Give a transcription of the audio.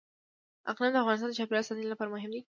اقلیم د افغانستان د چاپیریال ساتنې لپاره مهم دي.